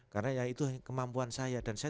karena ya itu kemampuan saya dan saya